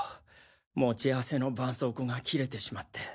持ち合わせの絆創膏が切れてしまって。